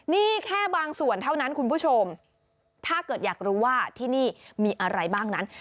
นี่แค่บางส่วนเท่านั้นคุณผู้ชมถ้าเกิดอยากรู้ว่าที่นี่มีอะไรบ้างนั้น